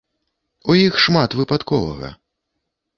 У іх шмат выпадковага.